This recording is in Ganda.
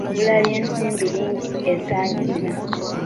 Ebbula ly’ensimbi lingi ensangi zino!